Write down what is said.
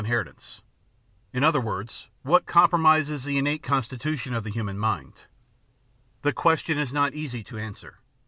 The Science of the Mind 545 heritance ; in other words, what comprises the innate constitution of the human mind? The question is not easy to answer.